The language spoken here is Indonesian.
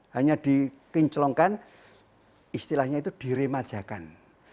hanya dikinclongkan istilahnya itu diremajakan